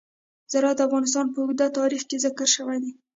زراعت د افغانستان په اوږده تاریخ کې ذکر شوی دی.